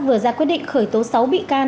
vừa ra quyết định khởi tố sáu bị can